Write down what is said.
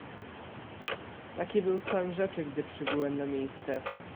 "Taki był stan rzeczy, gdy przybyłem na miejsce."